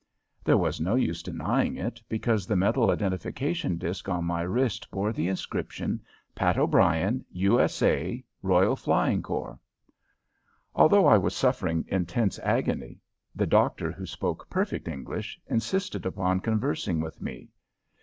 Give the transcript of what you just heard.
There was no use denying it, because the metal identification disk on my wrist bore the inscription, "Pat O'Brien, U. S. A. Royal Flying Corps." Although I was suffering intense agony, the doctor, who spoke perfect English, insisted upon conversing with me.